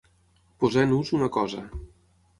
Posar en ús una cosa.